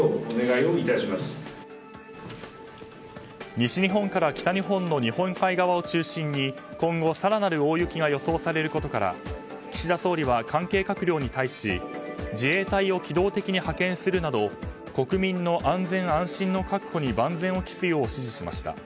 西日本から北日本の日本海側を中心に今後、更なる大雪が予想されることから岸田総理は関係閣僚に対し自衛隊を機動的に派遣するなど国民の安全・安心の確保に万全を期すよう指示しました。